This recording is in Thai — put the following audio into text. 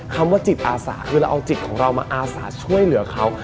คำว่าจิตอาสาคือเราเอาจิตของเรามาอาสาช่วยเหลือเขา